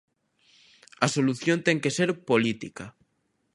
A solución ten que ser política.